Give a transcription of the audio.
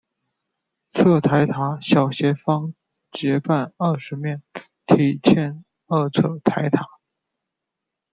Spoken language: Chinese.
侧台塔小斜方截半二十面体欠二侧台塔。